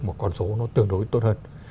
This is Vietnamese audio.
một con số nó tương đối tốt hơn